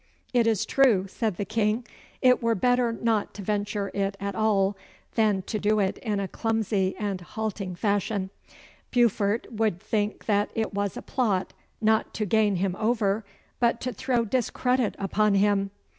'It is true,' said the King. 'It were better not to venture it at all than to do it in a clumsy and halting fashion. Beaufort would think that it was a plot not to gain him over, but to throw discredit upon him.